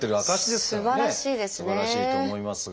すばらしいと思いますが。